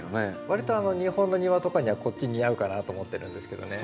わりと日本の庭とかにはこっち似合うかなと思ってるんですけどね。